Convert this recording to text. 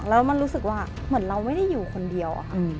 แล้วมันรู้สึกว่าเหมือนเราไม่ได้อยู่คนเดียวอะค่ะ